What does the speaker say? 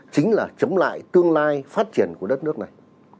chính là chống lại tương lai phát triển của đất nước này